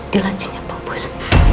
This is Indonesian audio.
di lancinya pak bos